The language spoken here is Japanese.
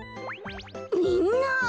みんな！